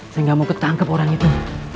saya gak mau ketangkep orang itu